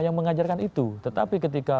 yang mengajarkan itu tetapi ketika